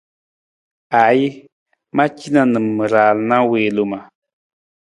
Aaji, ma cina na ma raala wi loma.